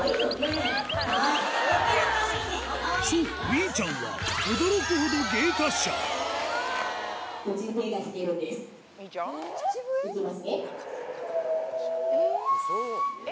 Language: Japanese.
そうみーちゃんは驚くほどいきますね。